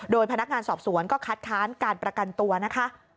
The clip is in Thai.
โดยพนักงานสอบสวนก็คัดค้านการประกันตัวนะคะ